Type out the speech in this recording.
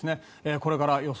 これからの予想